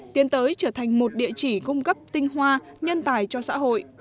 tiến tới trở thành một địa chỉ cung cấp tinh hoa nhân tài cho xã hội